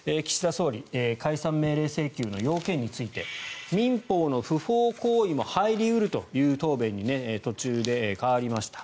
総理解散命令請求の要件について民法の不法行為も入り得るという答弁に途中で変わりました。